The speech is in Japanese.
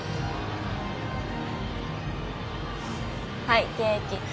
はいケーキ。